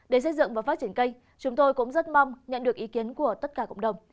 để xây dựng và phát triển cây chúng tôi cũng rất mong nhận được ý kiến của tất cả cộng đồng